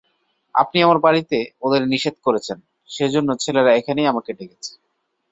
আপনি আমার বাড়িতে ওদের নিষেধ করেছেন সেইজন্যে ছেলেরা এখানেই আমাকে ডেকেছে।